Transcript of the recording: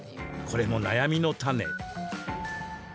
これも悩みの種。